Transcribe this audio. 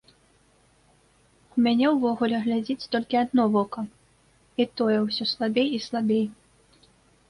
У мяне ўвогуле глядзіць толькі адно вока, і тое ўсё слабей і слабей.